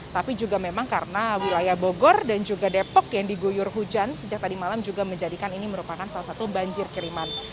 tapi juga memang karena wilayah bogor dan juga depok yang diguyur hujan sejak tadi malam juga menjadikan ini merupakan salah satu banjir kiriman